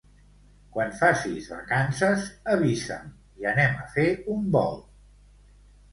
Quan facis vacances avisa'm i anem a fer un volt